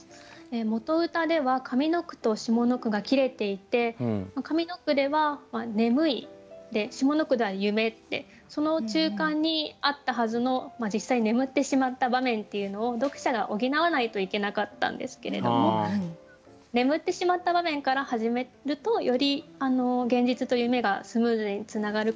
元歌では上の句と下の句が切れていて上の句では「眠い」下の句では「夢」でその中間にあったはずの実際眠ってしまった場面っていうのを読者が補わないといけなかったんですけれども眠ってしまった場面から始めるとより現実と夢がスムーズにつながるかなと思いました。